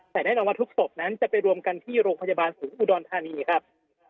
แต่แน่นอนว่าทุกศพนั้นจะไปรวมกันที่โรงพยาบาลศูนย์อุดรธานีครับ